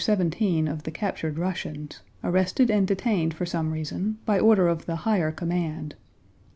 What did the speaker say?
17 of the captured Russians, arrested and detained for some reason by order of the Higher Command.